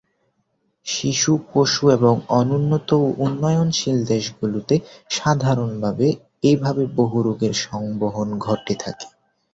শিশু, পশু এবং অনুন্নত ও উন্নয়নশীল দেশগুলিতে সাধারণভাবে এভাবে বহু রোগের সংবহন ঘটে থাকে।